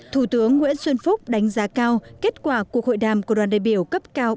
thủ tướng nguyễn xuân phúc đánh giá cao kết quả cuộc hội đàm của đoàn đại biểu cấp cao